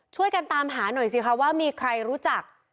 ช่วยกันตามหาหน่อยสิคะว่ามีใครรู้จัก